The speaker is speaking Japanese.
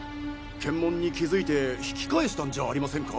検問に気づいて引き返したんじゃありませんか？